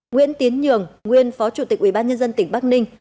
nguyễn tiến nhường nguyên phó chủ tịch ủy ban nhân dân tỉnh bắc ninh